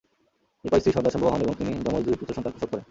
এরপর স্ত্রী সন্তান-সম্ভবা হন এবং তিনি জময দুই পুত্র সন্তান প্রসব করেন।